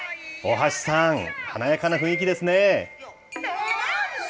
大橋さん、華やかな雰囲気ですね。